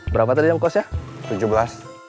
berapa tadi yang kosnya